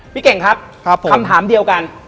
พี่เก่งครับคำถามเดียวกัน